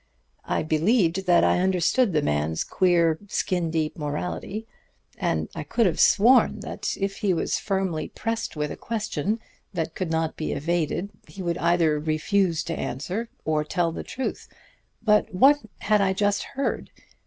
I believed that I understood the man's queer skin deep morality, and I could have sworn that if he was firmly pressed with a question that could not be evaded he would either refuse to answer or tell the truth. But what had I just heard?